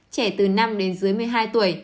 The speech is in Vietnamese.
trẻ từ năm đến dưới một mươi hai tuổi